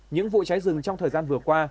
những vụ cháy rừng trong thời gian vừa qua